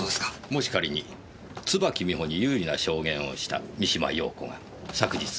もし仮に椿美穂に有利な証言をした三島陽子が昨日武藤弁護士から。